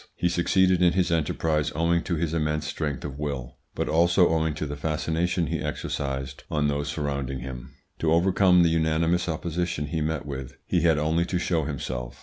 He succeeded in his enterprise owing to his immense strength of will, but also owing to the fascination he exercised on those surrounding him. To overcome the unanimous opposition he met with, he had only to show himself.